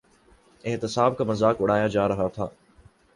احتساب کا مذاق اڑایا جا رہا تھا۔